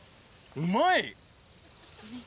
うまい！